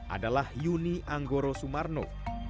adalah yuni anggoro sumarno